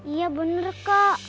iya bener kak